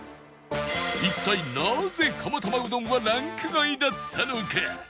一体なぜ釜玉うどんはランク外だったのか？